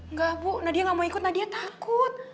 enggak bu nadia gak mau ikut nadia takut